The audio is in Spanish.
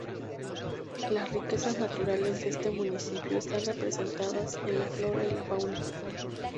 Las riquezas naturales de este municipio están representadas en la flora y la fauna.